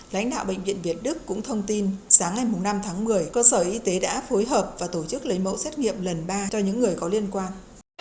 lãnh đạo bệnh viện việt đức cũng thông tin sáng ngày năm tháng một mươi cơ sở y tế đã phối hợp và tổ chức lấy mẫu xét nghiệm lần ba cho những người có liên quan